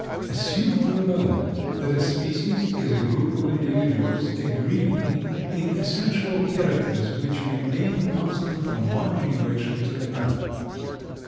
Assume for a moment that a species is a group of individuals agreeing in essential characters which remain constant from one generation to another.